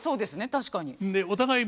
確かに。